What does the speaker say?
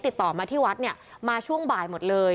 ติดต่อมาที่วัดเนี่ยมาช่วงบ่ายหมดเลย